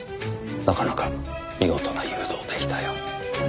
なかなか見事な誘導でしたよ。